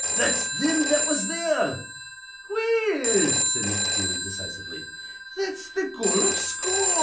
"That's thim that was there." "Well," said Mr. Dooley, decisively, "that's th' goluf scoor."